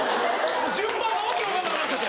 順番が訳分かんなくなっちゃって。